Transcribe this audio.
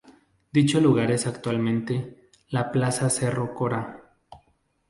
Dicho lugar es actualmente la "Plaza Cerro Corá".